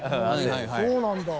そうなんだ。